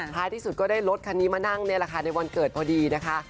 พลายที่สุดก็ได้รถคันนี้มานั่งในราคาในวันเกิดพอดีนะคะ